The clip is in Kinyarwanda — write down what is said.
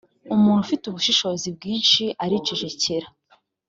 umuntu ufite ubushishozi bwinshi aricecekera